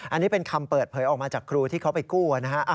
อันนี้เป็นคำเปิดเผยออกมาจากครูที่เขาไปกู้นะฮะ